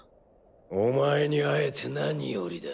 お前に会えて何よりだ。